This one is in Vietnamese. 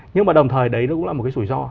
nhưng mà đồng thời đấy nó cũng là một cái rủi ro